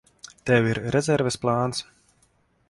Tev ir rezerves plāns?